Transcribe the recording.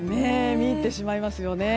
見入ってしまいますよね。